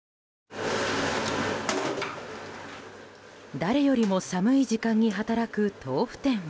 誰よりも寒い時間に働く豆腐店は。